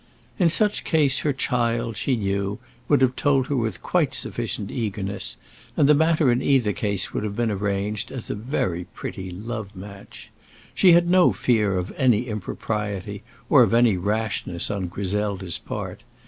In such case her child, she knew, would have told her with quite sufficient eagerness, and the matter in either case would have been arranged as a very pretty love match. She had no fear of any impropriety or of any rashness on Griselda's part.